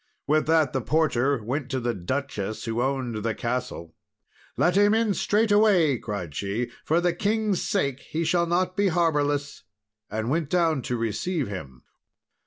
With that the porter went to the duchess who owned the castle. "Let him in straightway," cried she; "for the king's sake he shall not be harbourless!" and went down to receive him.